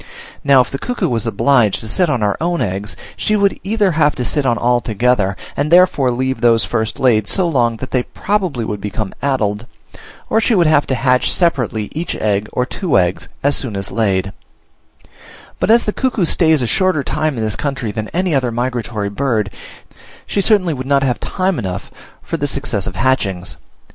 Now, if the cuckoo was obliged to sit on her own eggs, she would either have to sit on all together, and therefore leave those first laid so long, that they probably would become addled; or she would have to hatch separately each egg, or two eggs, as soon as laid: but as the cuckoo stays a shorter time in this country than any other migratory bird, she certainly would not have time enough for the successive hatchings.